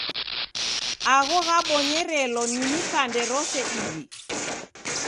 Agho ghabonyerelo ni mipande rose iw'i.